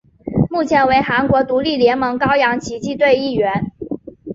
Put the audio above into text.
目前为韩国独立联盟高阳奇迹队一员。